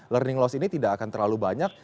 learning loss ini tidak akan terlalu banyak